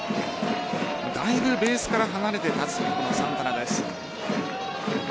だいぶベースから離れて立つサンタナです。